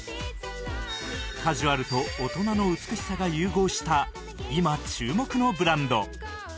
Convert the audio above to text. カジュアルと大人の美しさが融合した今注目のブランド